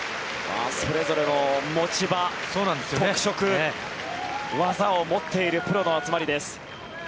それぞれの持ち場、特色、技を持っているプロの集まりです。